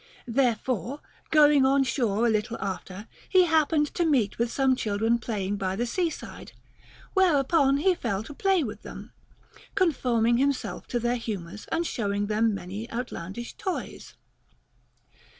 Therefore, going on shore a little after, he happened to meet with some children playing by the seaside ; whereupon he fell to play with them, con forming himself to their humors and showing them many outlandish toys.